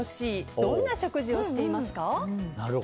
どんな食事をしていますか？